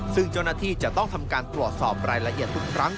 ซึ่งเจ้าหน้าที่จะต้องทำการตรวจสอบรายละเอียดทุกครั้ง